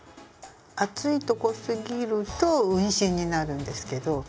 厚いとこすぎると運針になるんですけど。